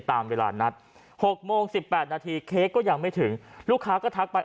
ตามเวลานัดหกโมงสิบแปดนาทีเค้กก็ยังไม่ถึงลูกค้าก็ทักไปอ้าว